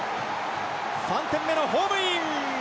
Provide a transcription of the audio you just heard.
３点目のホームイン！